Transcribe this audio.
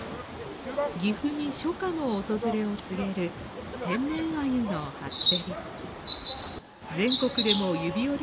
岐阜に初夏の訪れを告げる天然アユの初競り。